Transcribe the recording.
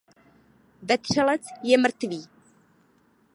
Vetřelec je mrtvý.